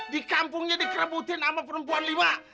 di kampungnya dikerebutkan nama perempuan lima